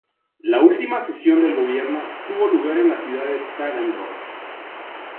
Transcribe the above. La última sesión del gobierno tuvo lugar en la ciudad de Taganrog.